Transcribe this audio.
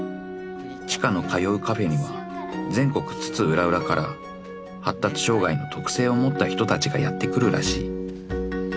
［知花の通うカフェには全国津々浦々から発達障害の特性を持った人たちがやって来るらしい］